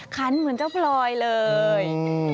ขันเหมือนเจ้าพลอยเลย